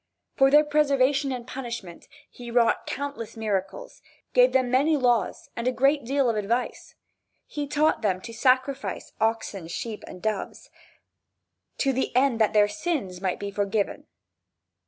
For their preservation and punishment he wrought countless miracles, gave them many laws and a great deal of advice. He taught them to sacrifice oxen, sheep, and doves, to the end that their sins might be forgiven.